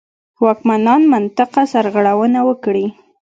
واکمنان منطقه سرغړونه وکړي.